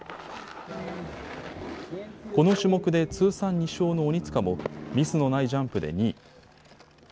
この種目で通算２勝の鬼塚もミスのないジャンプで２位。